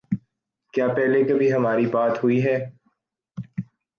کیا پہلے کبھی ہماری بات ہوئی ہے